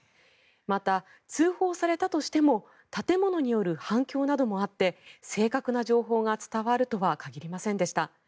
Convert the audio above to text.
また、通報されたとしても建物による反響などもあって正確な情報が伝わるとは限りませんでした。